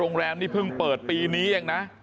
โรงแรมนี่เพิ่งเปิดปีนี้เองนะ